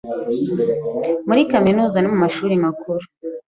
Muri Kaminuza no mu Mashuri Makuru.